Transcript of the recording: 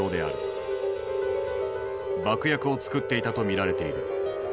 爆薬を作っていたと見られている。